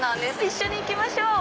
一緒に行きましょう！